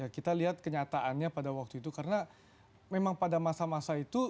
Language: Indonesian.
kita lihat kenyataannya pada waktu itu karena memang pada masa masa itu